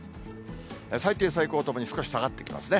最低、最高ともに少し下がってきますね。